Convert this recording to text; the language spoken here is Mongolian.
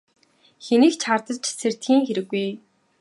Хэнийг ч хардаж сэрдэхийн хэрэггүй.